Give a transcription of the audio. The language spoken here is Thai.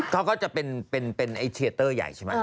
เขาก็จะเป็นไอ้เชียร์เตอร์ใหญ่ใช่ไหม